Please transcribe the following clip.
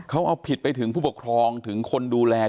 ก็ผิดไปถึงผู้ปกครองถึงคนดูแล